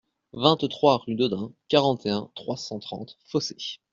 vingt-trois rue d'Audun, quarante et un, trois cent trente, Fossé